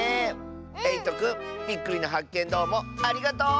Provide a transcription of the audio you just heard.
えいとくんびっくりなはっけんどうもありがとう！